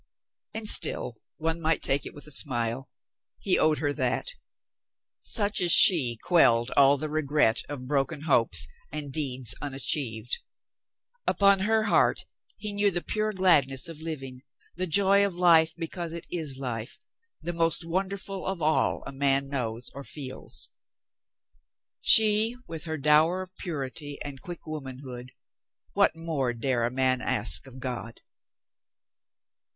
And still one might take it with a smile. He owed her that. Such as she quelled all the regret of broken 470 COLONEL GREATHEART hopes and deeds unachieved. Upon her heart he knew the pure gladness of living, the joy of life be cause it is life, the most wonderful of all a man knows or feels. She with her dower of purity and quick womanhood — what more dare a man ask of God?